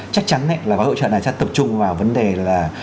chắc chắn là cái hỗ trợ này sẽ tập trung vào vấn đề là